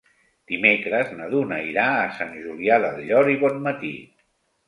Dimecres na Duna irà a Sant Julià del Llor i Bonmatí.